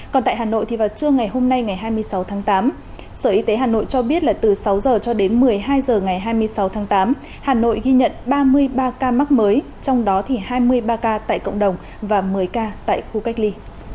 còn tại hà nội thì vào trưa ngày hôm nay ngày hai mươi sáu tháng tám sở y tế hà nội cho biết là từ sáu h cho đến một mươi hai h ngày hai mươi sáu tháng tám hà nội ghi nhận ba mươi ba ca mắc mới trong đó thì hai mươi ba ca tại cộng đồng và một mươi ca tại khu cách ly